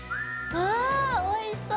あっおいしそう。